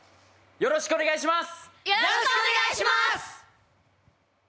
よろしくお願いします！